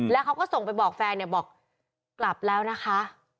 แล้วเขาก็ส่งไปบอกแฟนเนี่ยบอกกลับแล้วนะคะ